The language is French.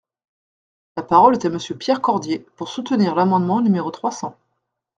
La parole est à Monsieur Pierre Cordier, pour soutenir l’amendement numéro trois cents.